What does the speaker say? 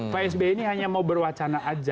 pak s b ini hanya mau berwacana saja